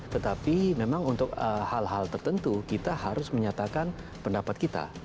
jadi memang untuk hal hal tertentu kita harus menyatakan pendapat kita